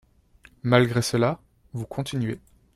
Malgré cela, vous continuez.